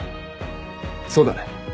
そうだね。